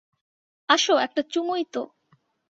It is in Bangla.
আসো একটা চুমুই তো।